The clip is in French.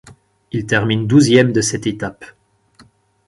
Il termine douzième de cette étape.